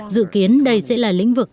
dự kiến đây sẽ là lĩnh vực